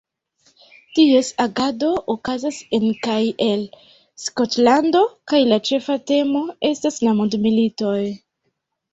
Ties agado okazas en kaj el Skotlando kaj la ĉefa temo estas la mondmilitoj.